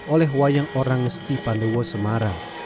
oleh wayang orang ngesti pandowo semarang